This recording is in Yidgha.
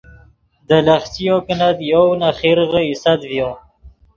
دے لخچیو کینت یَؤۡ نے خرغے اِیۡسَتۡ ڤیو